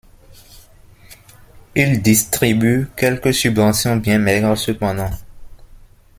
Il distribue quelques subventions, bien maigres cependant.